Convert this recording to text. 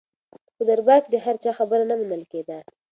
په دربار کې د هر چا خبره نه منل کېده.